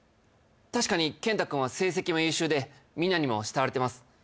確かにケンタ君は成績も優秀でみんなにも慕われてます